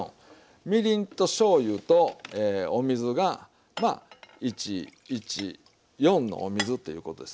みりんとしょうゆとお水がまあ１１４のお水ということです。